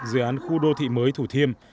dự án khu đô thị mới thủ thiêm